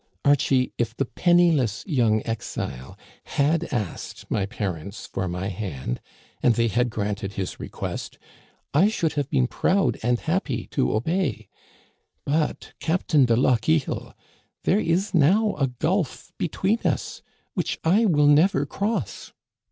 Archie, if the penniless young exile had asked my par ents for my hand, and they had granted his request, I Digitized by VjOOQIC LOCHIEL AND BLANCHE. 247 should have been proud and happy to obey. But, Cap tain de Lochiel, there is now a gulf between us which I will never cross."